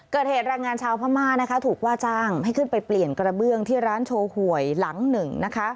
เกิดเหตุแรงงานชาวพม่านะคะถูกว่าจ้างให้ขึ้นไปเปลี่ยนกระเบื้องที่ร้านโชว์หวยหลังหนึ่งนะคะ